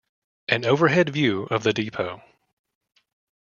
An overhead view of the depot.